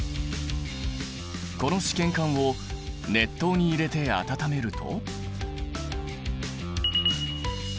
この試験管を熱湯に入れて温めると。